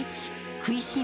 くいしん